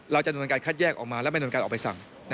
เราจะโดนการคัดแยกออกมาและไม่โดนการออกใบสั่ง